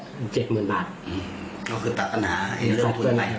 อืมนั่นคือตัดตัดหนาให้เริ่มคุณไป